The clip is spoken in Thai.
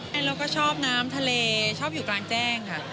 เราก็ชอบน้ำทะเลชอบอยู่กลางแจ้งค่ะ